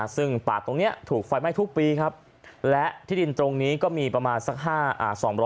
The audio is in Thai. ซึ่งปากตรงนี้ถูกไฟล์ไหม้ทุกปีนะครับ